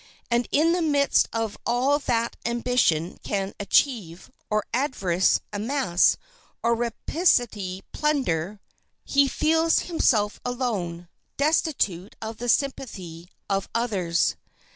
And in the midst of all that ambition can achieve, or avarice amass, or rapacity plunder, he feels himself alone, destitute of the sympathy of others.